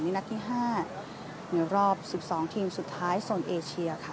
นัดที่๕ในรอบ๑๒ทีมสุดท้ายโซนเอเชียค่ะ